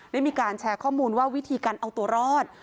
ได้มีการแชร์ข้อมูลว่าวิธีการเอาตัวรอด